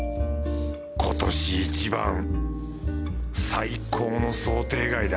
今年一番最高の想定外だ。